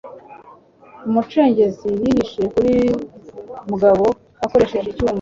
Umucengezi yihishe kuri Mugabo akoresheje icyuma.